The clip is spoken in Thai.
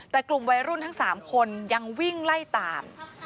แต่กลุ่มวัยรุ่นทั้ง๓คนยังวิ่งไล่ตาม